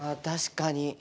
確かに。